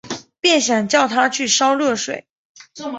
便想叫她去烧热水